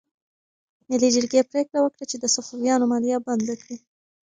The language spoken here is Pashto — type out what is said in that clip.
ملي جرګې پریکړه وکړه چې د صفویانو مالیه بنده کړي.